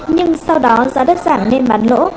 nhưng sau đó giá đất giảm nên bán lỗ